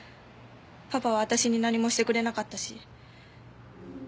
パパは私に何もしてくれなかったし。